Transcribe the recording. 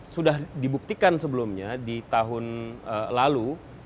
sudah dibuktikan sebelumnya di tahun lalu